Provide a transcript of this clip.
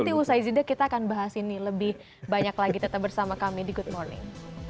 nanti usai jeda kita akan bahas ini lebih banyak lagi tetap bersama kami di good morning